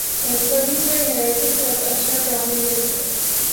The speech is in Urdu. ایسا بھی کوئی ھے کہ سب اچھا کہیں جسے